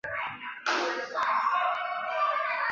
而钏网线及网走本线亦正式编入网走本线。